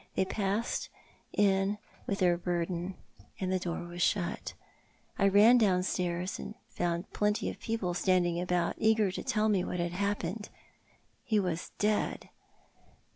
They passed in with their burden, and the door was shut. I ran downstairs, and found plenty of people standing about, eager to tell me w^hat had happened. He was dead.